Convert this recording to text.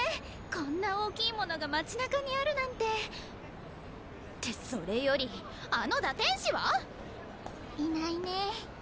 こんな大きいものが町なかにあるなんてってそれよりあの堕天使は⁉いないねえ。